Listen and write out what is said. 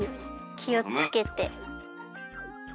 きをつけて。